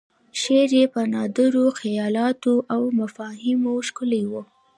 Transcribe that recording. شعر یې په نادرو خیالاتو او مفاهیمو ښکلی و.